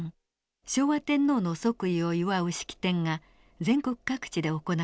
昭和天皇の即位を祝う式典が全国各地で行われました。